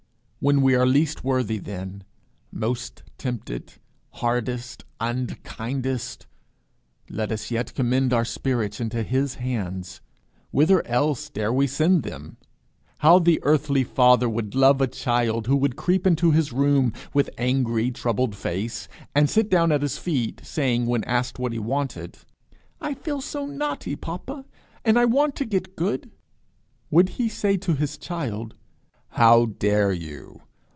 When we are least worthy, then, most tempted, hardest, unkindest, let us yet commend our spirits into his hands. Whither else dare we send them? How the earthly father would love a child who would creep into his room with angry, troubled face, and sit down at his feet, saying when asked what he wanted: "I feel so naughty, papa, and I want to get good"! Would he say to his child: "How dare you!